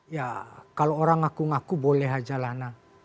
ya kalau orang ngaku ngaku boleh aja lah nak